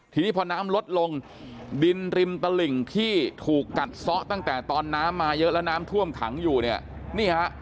ทีนี้พอน้ำลดลงดินริมตลิ่งที่ถูกกัดซะตั้งแต่ตอนน้ำมาเยอะแล้วน้ำท่วมขังอยู่เนี่ยนี่ฮะ